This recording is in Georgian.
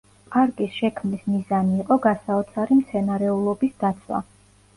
პარკის შექმნის მიზანი იყო გასაოცარი მცენარეულობის დაცვა.